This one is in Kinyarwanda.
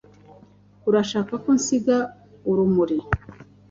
Urashaka ko nsiga urumuri?